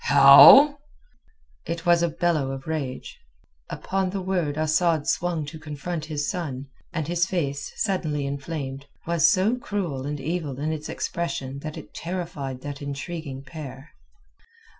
"How?" It was a bellow of rage. Upon the word Asad swung to confront his son, and his face, suddenly inflamed, was so cruel and evil in its expression that it terrified that intriguing pair.